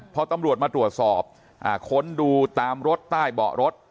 พอตำรวจมาตรวจสอบค้นดูตามรถใต้เบาะรถ